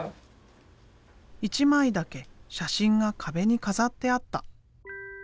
一枚だけ写真が壁に飾ってあった。